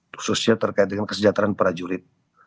khususnya terkait dengan kesejahteraan prajurit